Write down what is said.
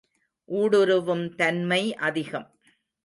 ஊடுருவும் தன்மை அதிகம்.